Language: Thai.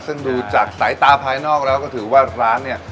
ซึ่งดูจากสายตาภายนอกแล้วก็ถือว่าร้านเนี่ย